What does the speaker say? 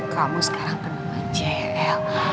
kamu sekarang penuh aja el